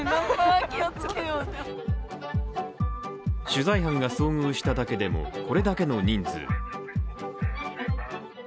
取材班が遭遇しただけでも、これだけの人数。